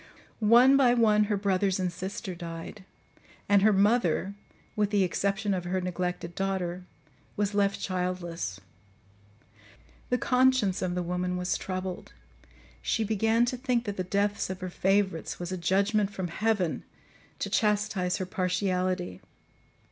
"One by one, her brothers and sister died; and her mother, with the exception of her neglected daughter, was left childless. The conscience of the woman was troubled; she began to think that the deaths of her favourites was a judgement from heaven to chastise her partiality.